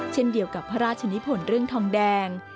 เช่นเดียวกับพระราชนิพลเรื่องทองแดง